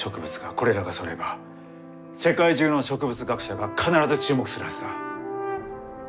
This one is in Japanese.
これらがそろえば世界中の植物学者が必ず注目するはずだ。